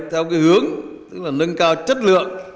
theo hướng nâng cao chất lượng